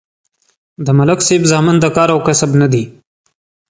د ملک صاحب زامن د کار او کسب نه دي